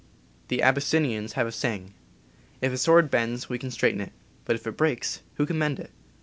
The Abyssinians have a saying, "If a sword bends, we can straighten it; but if it breaks, who can mend it